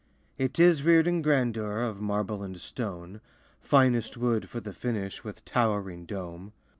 It is reared in grandeur Of marble and stone, Finest wood for the finish, With towering dome.